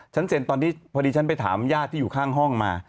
เซ็นตอนที่พอดีฉันไปถามญาติที่อยู่ข้างห้องมา